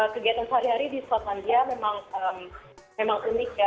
kegiatan sehari hari di skotlandia memang unik ya